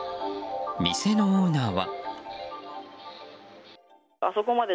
店のオーナーは。